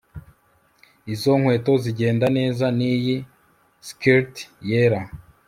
Izo nkweto zigenda neza niyi skirt yera